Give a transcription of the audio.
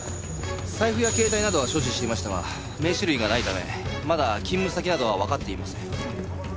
財布や携帯などは所持していましたが名刺類がないためまだ勤務先などはわかっていません。